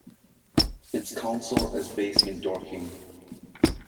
Its council is based in Dorking.